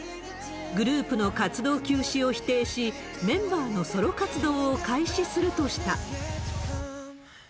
グループの活動休止を否定し、メンバーのソロ活動を開始するとした。